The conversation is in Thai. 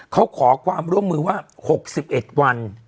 เขาขอความร่วมมือว่าหกสิบเอ็ดวัน